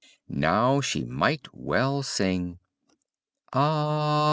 Now she might well sing, "Ach!